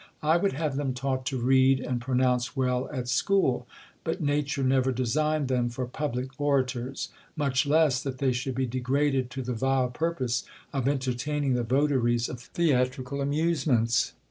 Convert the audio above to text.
I would have them taught to read and pronounce well at school ; but nature never designed them for public orators ; much less, that they should be degraded to th€ vile purpose of entertaining the votaries of theatrical amuse ments.